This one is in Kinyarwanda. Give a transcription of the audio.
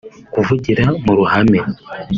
kuvugira mu ruhame